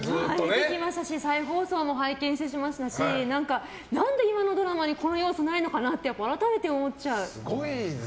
見てきましたし再放送も拝見しましたし何で今のドラマにこの要素ないのかなって改めて思っちゃう。